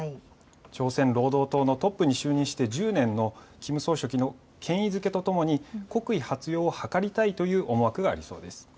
朝鮮労働党のトップに就任して１０年のキム総書記の権威づけとともに国威発揚を図りたいという思惑がありそうです。